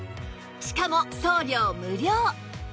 しかも送料無料！